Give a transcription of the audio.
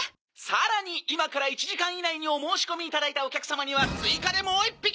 「さらに今から１時間以内にお申し込みいただいたお客様には追加でもう１匹！」